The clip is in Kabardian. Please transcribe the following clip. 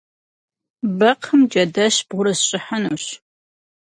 Бэкхъым джэдэщ бгъурысщӏыхьынущ.